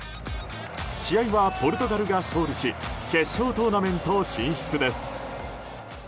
試合はポルトガルが勝利し決勝トーナメント進出です。